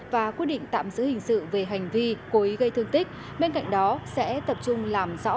và quyết định tạm giữ hình sự về hành vi cố ý gây thương tích bên cạnh đó sẽ tập trung làm rõ